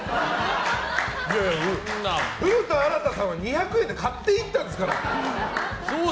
いやいや古田新太さんは２００円で買っていったんですから！